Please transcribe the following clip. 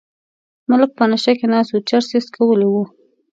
ملک په نشه کې ناست و چرس یې څکلي وو.